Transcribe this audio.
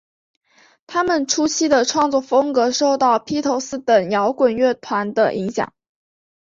她们初期的创作风格受到披头四等摇滚乐团的影响。